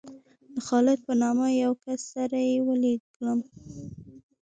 د خالد په نامه یو کس سره یې ولېږلم.